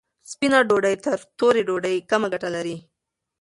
سپینه ډوډۍ تر تورې ډوډۍ کمه ګټه لري.